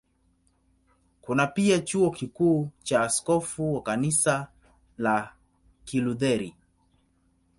Kuna pia Chuo Kikuu na askofu wa Kanisa la Kilutheri.